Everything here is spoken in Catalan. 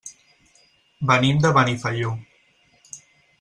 Venim de Benifaió.